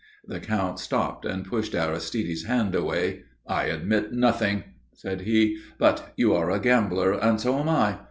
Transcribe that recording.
The Count stopped and pushed Aristide's hand away. "I admit nothing," said he. "But you are a gambler and so am I.